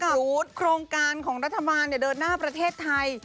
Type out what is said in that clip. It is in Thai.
สูตรโครงการของรัฐบาลเดินหน้าประเทศไทย